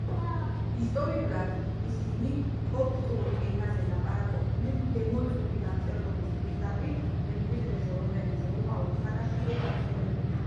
ისტორიულად, ისინი კოპტურ ენაზე ლაპარაკობდნენ, დემოტური დამწერლობის პირდაპირ მემკვიდრეზე, რომელიც რომაულ ხანაში იყო გავრცელებული.